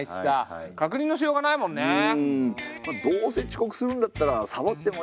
どうせ遅刻するんだったらサボってもいいか！